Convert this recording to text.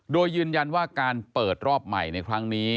โดยยืนยันว่าการเปิดรอบใหม่ในครั้งนี้